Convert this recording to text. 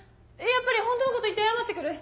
やっぱりホントのこと言って謝って来る。